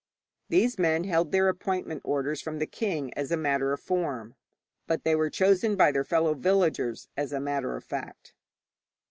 These men held their appointment orders from the king as a matter of form, but they were chosen by their fellow villagers as a matter of fact.